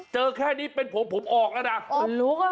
เจอแค่นี้เป็นหัวผมออกแล้วน่ะ